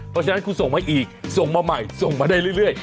เพราะฉะนั้นคุณส่งมาอีกส่งมาใหม่ส่งมาได้เรื่อย